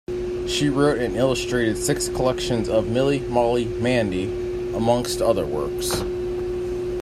She wrote and illustrated six collections of "Milly-Molly-Mandy", amongst other works.